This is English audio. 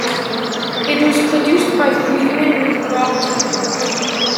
It was produced by Freedman with Rob Taylor.